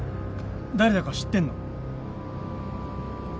誰だか知ってんの？